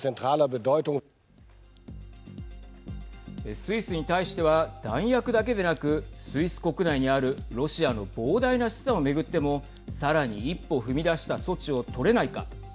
スイスに対しては弾薬だけでなくスイス国内にあるロシアの膨大な資産を巡ってもさらに一歩踏み出した措置を取れないか。